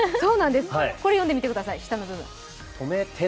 これ、読んでみてください、下の部分。